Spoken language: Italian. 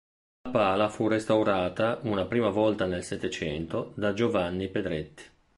La pala fu restaurata una prima volta nel Settecento, da Giovanni Pedretti.